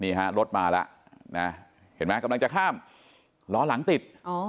นี่ฮะรถมาแล้วนะเห็นไหมกำลังจะข้ามล้อหลังติด